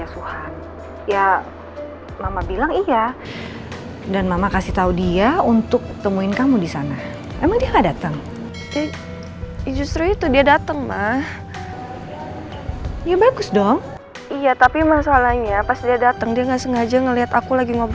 sampai jumpa di video selanjutnya